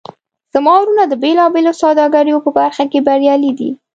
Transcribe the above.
زما وروڼه د بیلابیلو سوداګریو په برخه کې بریالي دي